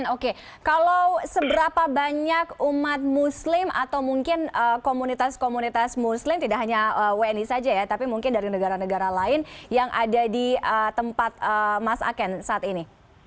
oke kalau seberapa banyak umat muslim atau mungkin komunitas komunitas muslim tidak hanya wni saja ya tapi mungkin dari negara negara lain yang ada di tempat mas aken saat ini